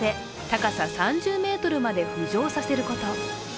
高さ３０ｍまで浮上させること。